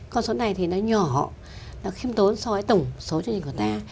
còn số này thì nó nhỏ nó khiêm tốn so với tổng số chương trình của ta